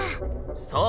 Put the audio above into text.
そう。